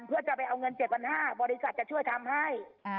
เพื่อจะไปเอาเงินเจ็ดวันห้าบริษัทจะช่วยทำให้